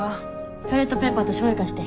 トイレットペーパーとしょうゆ貸して。